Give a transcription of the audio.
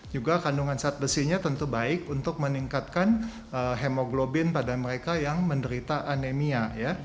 juga kandungan zat besinya tentu baik untuk meningkatkan hemoglobin pada mereka yang menderita anemia